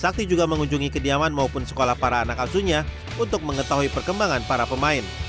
sakti juga mengunjungi kediaman maupun sekolah para anak asunya untuk mengetahui perkembangan para pemain